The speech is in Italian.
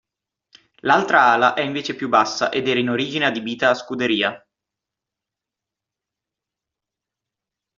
L'altra ala è invece più bassa ed era in origine adibita a scuderia.